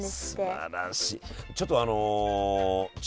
すばらしい。